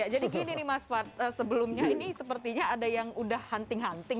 gini nih mas fad sebelumnya ini sepertinya ada yang udah hunting hunting